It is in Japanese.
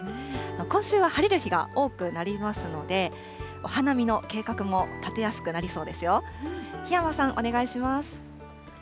今週は晴れる日が多くなりますので、お花見の計画も立てやすくなりそうですよ。